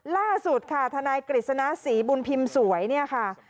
ล่าสุดค่ะทนายกฤษณะศรีบุญพิมพ์สวยเนี่ยค่ะ